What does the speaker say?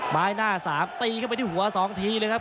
ไม้หน้า๓ตีเข้าไปที่หัว๒ทีเลยครับ